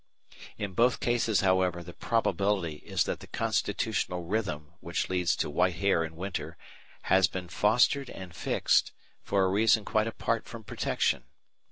In both cases, however, the probability is that the constitutional rhythm which leads to white hair in winter has been fostered and fixed for a reason quite apart from protection.